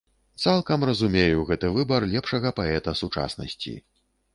Цалкам разумею гэты выбар лепшага паэта сучаснасці.